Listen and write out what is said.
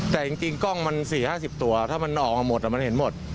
แต่จริงกล้องมันสี่ห้าสิบตัวถ้ามันออกมาหมดอ่ะมันเห็นหมด